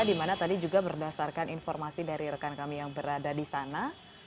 dimana tadi juga berdasarkan informasi dari rekan kami yang berada di sana